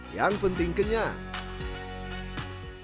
yang penting kenyang